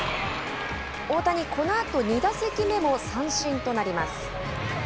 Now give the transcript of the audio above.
大谷、このあと２打席目も三振となります。